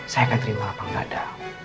saya akan terima apa nggak ada